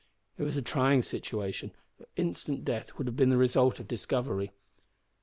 It was a trying situation, for instant death would have been the result of discovery.